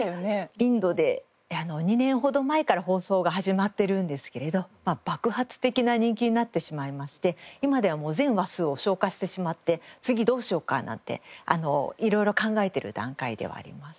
インドで２年ほど前から放送が始まってるんですけれど爆発的な人気になってしまいまして今ではもう全話数を消化してしまって「次どうしようか」なんて色々考えてる段階ではあります。